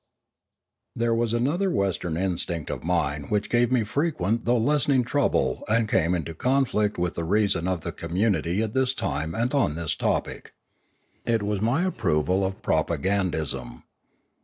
There was another Western instinct of mine which gave me frequent though lessening trouble and came into conflict with the reason of the community at this time and on this topic. It was my approval of propa gandise.